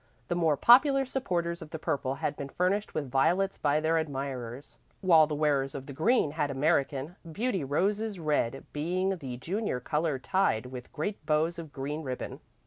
The more popular supporters of the purple had been furnished with violets by their admirers, while the wearers of the green had American beauty roses red being the junior color tied with great bows of green ribbon.